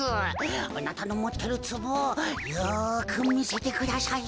あなたのもってるつぼをよくみせてください。